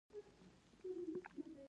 آیا چې ګړندی روان نه دی؟